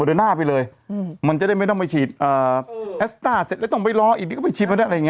คุณอุ๋ยคุณอุ๋ยถามพี่อุ๋ยเลยคุณอุ๋ยคำคุณอุ๋ยคำมาหน่อยสิ